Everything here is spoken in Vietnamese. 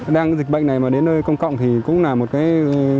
đang dịch bệnh này mà đến nơi công cộng thì cũng là một cái